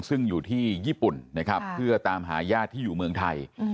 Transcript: ซึ่งอยู่ที่ญี่ปุ่นนะครับเพื่อตามหาญาติที่อยู่เมืองไทย